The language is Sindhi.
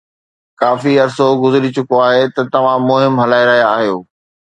ڪافي عرصو گذري چڪو آهي ته توهان مهم هلائي رهيا آهيو